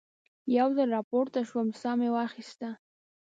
یو ځل را پورته شوم، ساه مې واخیسته.